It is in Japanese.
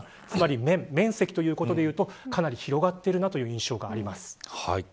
つまり面積ということで言うとかなり広がっているなという印象があります。